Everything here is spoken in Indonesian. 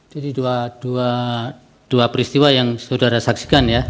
jadi dua peristiwa yang saudara saksikan ya